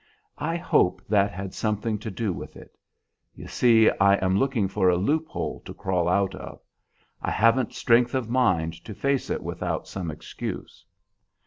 I hope that had something to do with it. You see I am looking for a loophole to crawl out of; I haven't strength of mind to face it without some excuse.